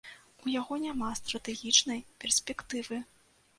У яго няма стратэгічнай перспектывы.